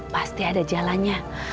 pasti ada jalannya